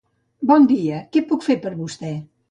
Bon dia què puc fer per vostè?